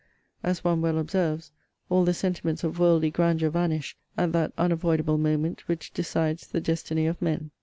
And, as one well observes, All the sentiments of worldly grandeur vanish at that unavoidable moment which decides the destiny of men.